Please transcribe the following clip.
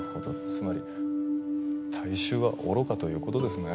つまり大衆は愚かという事ですね？